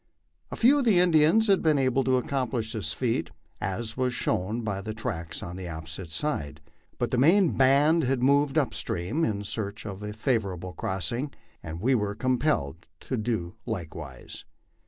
A few of the Indians had been able to accomplish this feat, as was shown by the tracks on the opposite side ; but the main band had moved up stream in search of a favorable crossing, and we were compelled to do likewise.